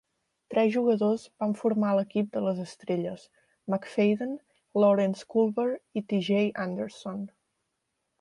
Tres jugadors van formar l'equip de les estrelles: McFadden, Lawrence Culver i TeJay Anderson.